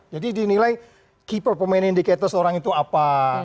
jadi dinilai key performance indicators orang itu apa